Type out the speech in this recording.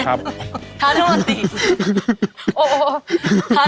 เท่านั้นหมด๔